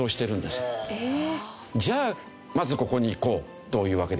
じゃあまずここに行こうというわけで。